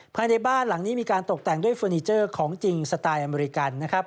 ภายในบ้านหลังนี้มีการตกแต่งด้วยเฟอร์นิเจอร์ของจริงสไตล์อเมริกันนะครับ